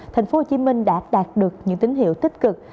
thành phố hồ chí minh đã đạt được những tín hiệu tích cực